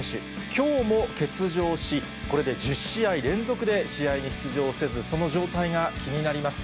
きょうも欠場し、これで１０試合連続で試合に出場せず、その状態が気になります。